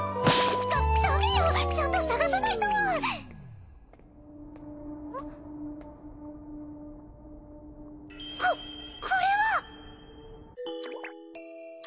ダダメよちゃんと捜さないとあっここれは！